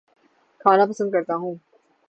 کھانا پسند کرتا ہوں